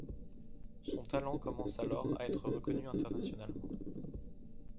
Son talent commence alors à être reconnu internationalement.